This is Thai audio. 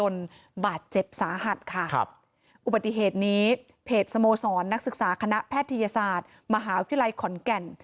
อุบัติเหตุนี้เพจสโมสรนักศึกษาคณะแพทยศาสตร์มหาวิทยาลัยขอนแก่น